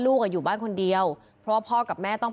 พุ่งเข้ามาแล้วกับแม่แค่สองคน